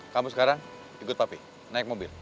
kamu sekarang ikut papi naik mobil